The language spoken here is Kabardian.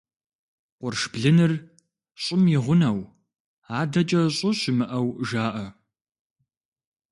Къурш блыныр – щӀым и гъунэу, адэкӀэ щӀы щымыӀэу жаӀэ.